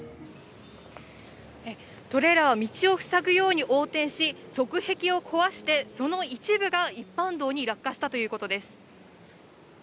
トレーラーは道を塞ぐように横転し、側壁を壊して、その一部が一般道に落下したということです。